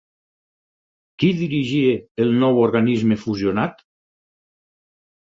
Qui dirigia el nou organisme fusionat?